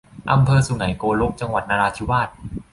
อำเภอสุไหงโกลก จังหวัดนราธิวาส